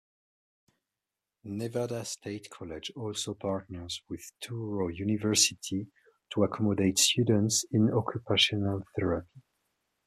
Nevada State College also partners with Touro University to accommodate students in Occupational Therapy.